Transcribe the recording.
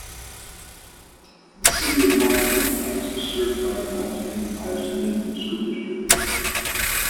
The City of Mount Enterprise is served by the Mount Enterprise Independent School District.